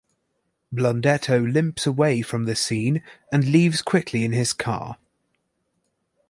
Blundetto limps away from the scene and leaves quickly in his car.